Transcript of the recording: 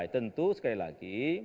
tentu sekali lagi